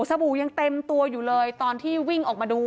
สบู่ยังเต็มตัวอยู่เลยตอนที่วิ่งออกมาดู